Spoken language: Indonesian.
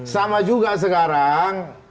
sama juga sekarang